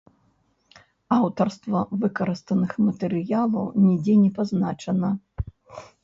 Аўтарства выкарыстаных матэрыялаў нідзе не пазначана.